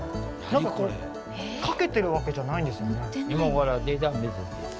何かこれかけてるわけじゃないんですよね？